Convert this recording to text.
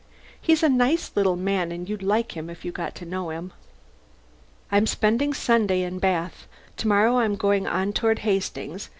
He's a nice little man and you'd like him if you got to know him. I'm spending Sunday in Bath: to morrow I'm going on toward Hastings.